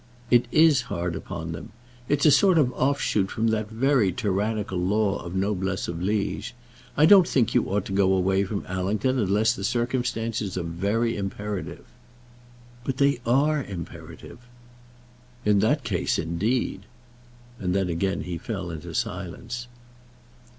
"It is hard upon them. It's a sort of offshoot from that very tyrannical law of noblesse oblige. I don't think you ought to go away from Allington, unless the circumstances are very imperative." "But they are very imperative." "In that case, indeed!" And then again he fell into silence.